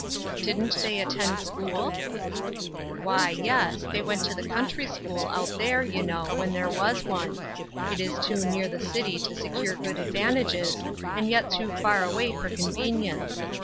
" Didn't they attend school ?"" Why, yes, they went to the country school out there, you know, when there was one. It is too near the city to secure good advantages, and yet too far away for convenience.